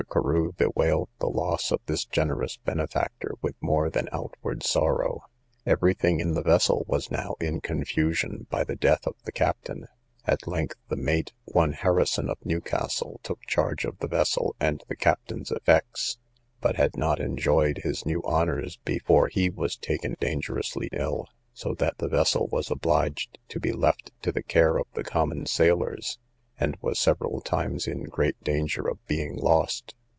Carew bewailed the loss of this generous benefactor with more than outward sorrow. Every thing in the vessel was now in confusion by the death of the captain; at length the mate, one Harrison of Newcastle, took charge of the vessel and the captain's effects; but had not enjoyed his new honours before he was taken dangerously ill, so that the vessel was obliged to be left to the care of the common sailors, and was several times in great danger of being lost.